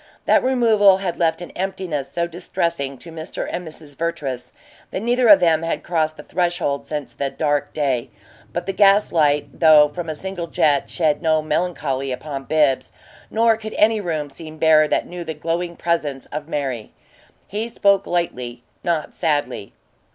That removal had left an emptiness so distressing to Mr. and Mrs. Vertrees that neither of them had crossed the threshold since the dark day; but the gas light, though from a single jet, shed no melancholy upon Bibbs, nor could any room seem bare that knew the glowing presence of Mary. He spoke lightly, not sadly.